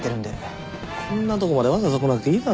こんなとこまでわざわざ来なくていいだろ。